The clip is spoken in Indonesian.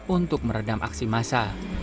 untuk meredam aksi massa